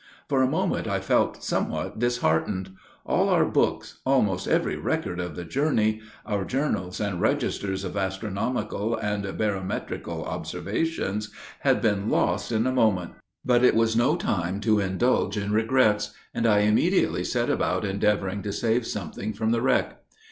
For a moment, I felt somewhat disheartened. All our books almost every record of the journey our journals and registers of astronomical and barometrical observations had been lost in a moment, But it was no time to indulge in regrets; and I immediately set about endeavoring to save something from the wreck.